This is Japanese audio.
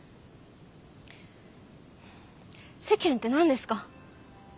世間って何ですか？